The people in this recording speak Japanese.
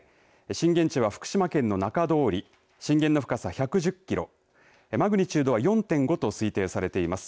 震源地は福島県の中通り震源の深さ１１０キロマグニチュードは４．５と推定されています。